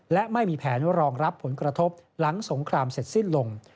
และไม่มีแผนรองรับผลกระทบหลังสงครามเสร็จสิ้นลง